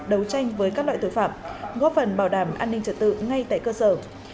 đấu tranh với các loại tội phạm góp phần bảo đảm an ninh trật tự ngay tại cơ sở